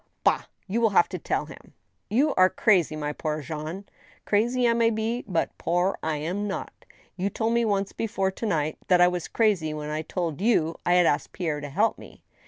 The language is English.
" Bah ! you will have to tell him." ." You are crazy, my poor Jean I "" Crazy I may be, but poor I am not. You told me once before, to night, that I was crazy when I told you I had asked Pierre to help me. .